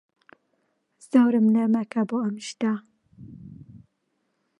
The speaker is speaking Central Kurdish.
زۆرم لێ مەکە بۆ ئەم شتە.